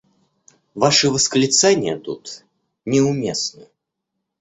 Ваши восклицания тут не уместны.